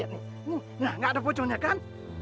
nggak ada pocongnya kan